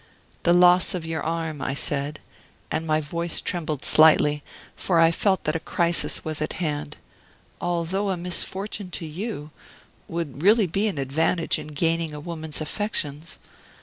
"The loss of your arm," I said and my voice trembled slightly, for I felt that a crisis was at hand "although a misfortune to you, would really be an advantage in gaining a woman's affections.